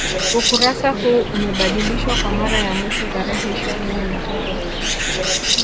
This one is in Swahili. Ukurasa huu umebadilishwa kwa mara ya mwisho tarehe ishirini na tatu